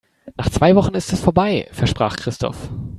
"Nach zwei Wochen ist es vorbei", versprach Christoph.